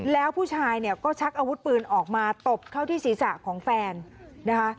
แล้วผู้ชายเนี่ยก็ชักอาวุธปืนออกมาตบเข้าที่ศีรษะของแฟนนะคะ